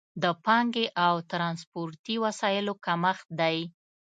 د پانګې او ترانسپورتي وسایلو کمښت دی.